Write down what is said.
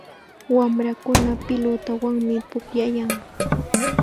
Wamrakuna pilutawanmi pukllayan.